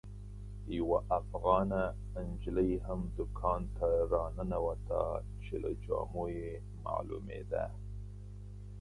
یوه افغانه نجلۍ هم دوکان ته راننوته چې له جامو یې معلومېده.